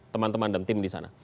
teman teman dan tim disana